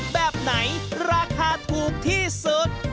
แบบไหนราคาถูกที่สุด